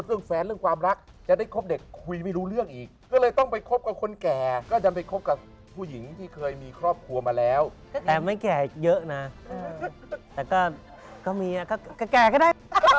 แฟนเรื่องความรักจะได้คบเด็กคุยไม่รู้เรื่องอีกก็เลยต้องไปคบกับคนแก่ก็จะไปคบกับผู้หญิงที่เคยมีครอบครัวมาแล้วแต่ไม่แก่เยอะนะแต่ก็เมียก็แก่ก็ได้